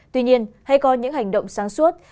tuy nhiên hay có những hành động sáng suốt